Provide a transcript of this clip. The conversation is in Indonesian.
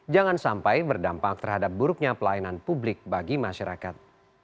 jangan sampai berdampak terhadap buruknya pelayanan publik bagi masyarakat